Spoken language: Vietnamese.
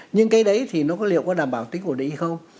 nhưng cái đấy thì nó có liệu có đảm bảo tính ổn định hay không